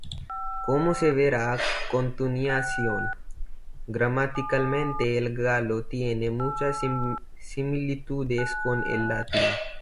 Como se verá a continuación, gramaticalmente el galo tiene muchas similitudes con el latín.